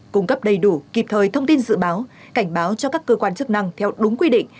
cung cấp đầy đủ kịp thời thông tin dự báo cảnh báo cho các cơ quan chức năng theo đúng quy định